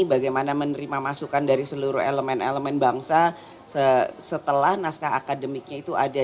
bagaimana menerima masukan dari seluruh elemen elemen bangsa setelah naskah akademiknya itu ada